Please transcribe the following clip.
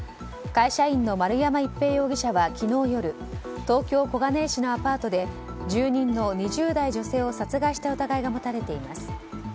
会社員の丸山一平容疑者は昨日夜東京・小金井市のアパートで住人の２０代の女性を殺害した疑いが持たれています。